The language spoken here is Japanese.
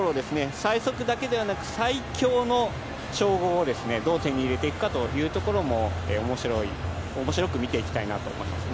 最速だけではなく最強の称号をどう手に入れていくかというところも面白く見ていきたいなと思います。